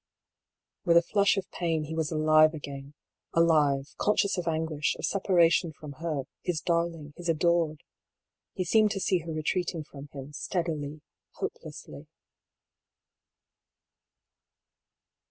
With a flush of pain, he was alive again ; alive, con scious of anguish, of separation from her, his darling, his adored. He seemed to see her retreating from him, steadily, hopelessly.